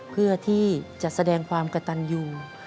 เพื่อที่จะแสดงความกระตันอยู่